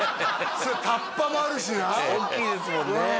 そりゃタッパもあるしな大きいですもんね